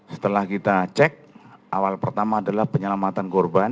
setelah kita cek awal pertama adalah penyelamatan korban